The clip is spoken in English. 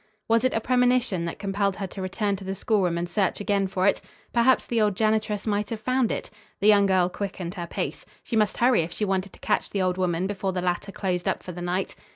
Was it a premonition that compelled her to return to the schoolroom and search again for it? Perhaps the old janitress might have found it. The young girl quickened her pace. She must hurry if she wanted to catch the old woman before the latter closed up for the night.